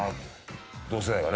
同世代がね。